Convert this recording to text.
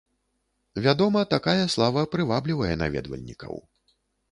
Вядома, такая слава прываблівае наведвальнікаў.